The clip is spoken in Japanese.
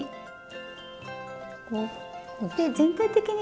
全体的に。